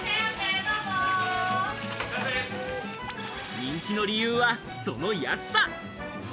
人気の理由はその安さ！